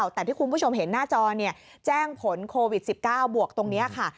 แต่ที่คุณผู้ชมเห็นหน้าจอแจ้งผลโควิด๑๙บวกตรงนี้ค่ะ